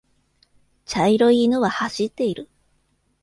茶色い犬は走っている。